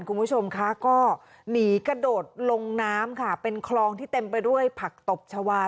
คุณผู้ชมคะก็หนีกระโดดลงน้ำค่ะเป็นคลองที่เต็มไปด้วยผักตบชาวา